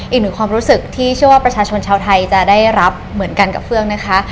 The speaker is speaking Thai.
อีกหนึ่งความรู้สึกที่เชื่อว่าประชาชนชาวไทยจะได้รับเหมือนกันกับเฟืองนะคะ